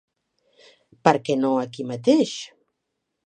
Per què no aquí mateix?